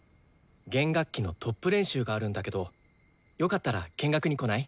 弦楽器のトップ練習があるんだけどよかったら見学に来ない？